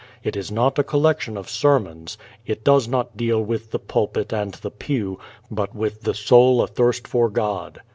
It is not a collection of sermons. It does not deal with the pulpit and the pew but with the soul athirst for God.